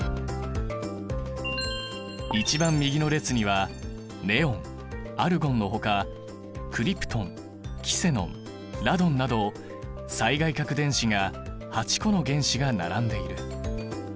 一番右の列にはネオンアルゴンのほかクリプトンキセノンラドンなど最外殻電子が８個の原子が並んでいる。